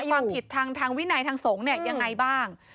ความผิดทางวินัยทางสงฆ์เนี่ยยังไงบ้าง